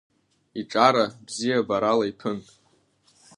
Иҿара бзиабарала иҭәын.